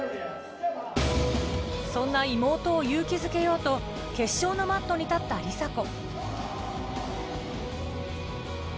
そんな妹を勇気づけようと決勝のマットに立った梨紗子。